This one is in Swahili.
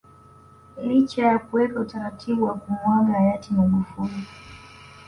Licha ya kuweka utaratibu wa kumuaga Hayati Magufuli